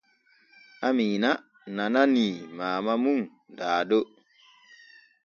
Amiina nananii Maama mum Dado.